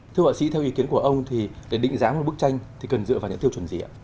thưa họa sĩ theo ý kiến của ông thì cái định giá một bức tranh thì cần dựa vào những tiêu chuẩn gì ạ